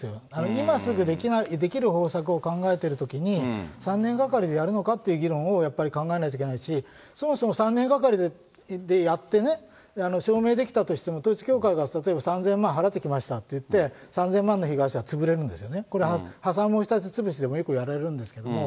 今すぐできる方策を考えてるときに、３年がかりでやるのかっていう議論をやっぱり考えないといけないし、そもそも３年がかりでやってね、証明できたとしても、統一教会が例えば３０００万払ってきましたっていって、３０００万円の被害者は潰れるんですよね、これ、破産申し立て潰しでもよくいわれるんですけども。